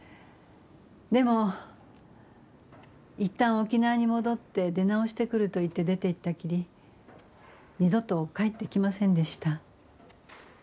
でも一旦沖縄に戻って出直してくると言って出ていったきり二度と帰ってきませんでした。